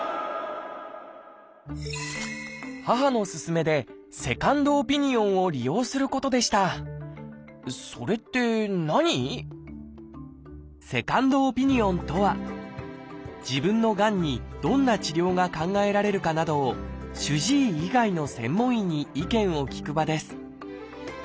母の勧めでセカンドオピニオンを利用することでした「セカンドオピニオン」とは自分のがんにどんな治療が考えられるかなどを主治医以外の専門医に意見を聞く場です